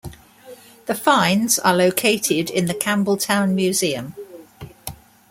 The finds are located in the Campbeltown Museum.